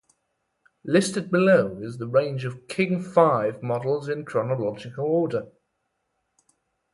Listed below is the range of King V models in chronological order.